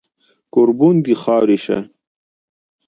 کوربون د خاورې شه